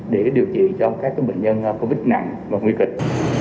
để điều trị cho các bệnh nhân covid nặng và nguy kịch